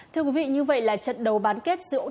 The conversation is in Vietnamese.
thưa quý vị như vậy là trận đầu bán kết giữa ổng